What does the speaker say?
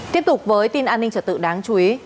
tiếp tục với tin an ninh trật tự đáng chú ý